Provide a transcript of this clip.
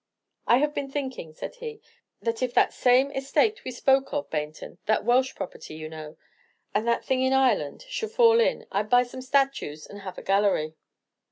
"I have been thinking," said he, "that if that same estate we spoke of, Baynton, that Welsh property, you know, and that thing in Ireland, should fall in, I 'd buy some statues and have a gallery!"